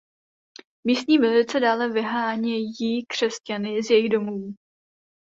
Místní milice dále vyhánějí křesťany z jejich domovů.